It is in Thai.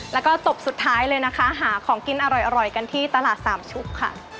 แล้วก็ตบสุดท้ายเลยนะคะหาของกินอร่อยกันที่ตลาดสามชุกค่ะ